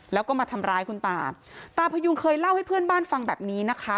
แล้วก็มาทำร้ายคุณตาตาพยุงเคยเล่าให้เพื่อนบ้านฟังแบบนี้นะคะ